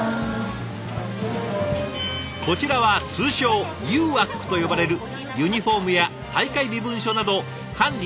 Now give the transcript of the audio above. こちらは通称「ＵＡＣ」と呼ばれるユニフォームや大会身分証などを管理・配布する部署。